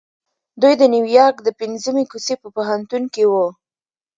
دوی د نيويارک د پنځمې کوڅې په پوهنتون کې وو.